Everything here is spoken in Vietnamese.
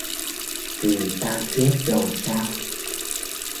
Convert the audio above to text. Vì tao chết rồi sao